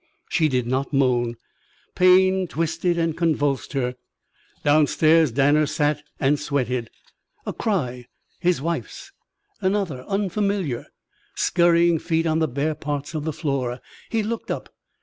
She did not moan. Pain twisted and convulsed her. Downstairs Danner sat and sweated. A cry his wife's. Another unfamiliar. Scurrying feet on the bare parts of the floor. He looked up.